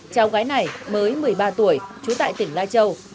cháu gái này mới một mươi ba tuổi trú tại tỉnh lai châu